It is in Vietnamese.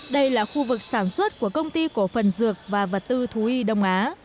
đây là khu vực sản xuất của công ty cổ phần dược và vật tư thú y đông á